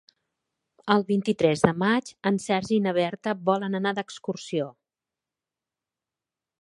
El vint-i-tres de maig en Sergi i na Berta volen anar d'excursió.